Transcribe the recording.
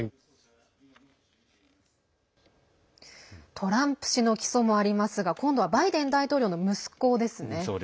トランプ氏の起訴もありますが今度はバイデン大統領の息子ですね。